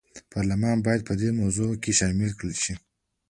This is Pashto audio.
پارلمان باید په دې موضوع کې شامل کړل شي.